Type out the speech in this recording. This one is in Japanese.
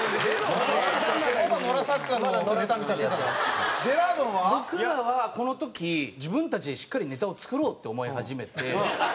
僕らはこの時自分たちでしっかりネタを作ろうって思い始めて。